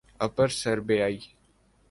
اپر سربیائی